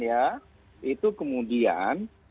ya itu kemudian